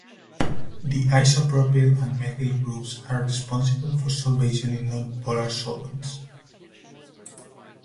The isopropyl and methyl groups are responsible for solvation in nonpolar solvents.